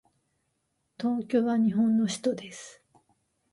東京は日本の首都です。